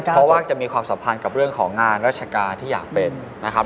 เพราะว่าจะมีความสัมพันธ์กับเรื่องของงานราชการที่อยากเป็นนะครับ